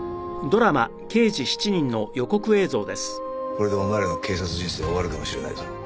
これでお前らの警察人生終わるかもしれないぞ。